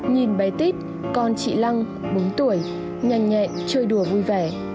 nhìn bé tít con chị lăng bốn tuổi nhanh nhẹ chơi đùa vui vẻ